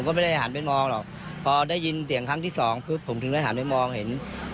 ก็ไม่ได้ยินเสียงของทั้งคู่ทะเลาะกันแต่อย่างใด